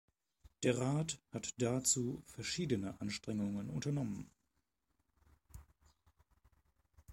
Der Rat hat dazu verschiedene Anstrengungen unternommen.